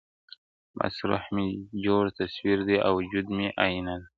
بس روح مي جوړ تصوير دی او وجود مي آئینه ده.